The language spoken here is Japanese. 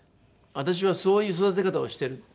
「私はそういう育て方をしてる」。